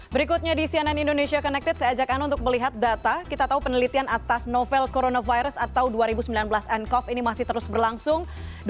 berikutnya di cnn indonesia connected saya ajak anda untuk melihat data kita tahu penelitian atas novel coronavirus atau dua ribu sembilan belas ncov ini masih terus berlangsung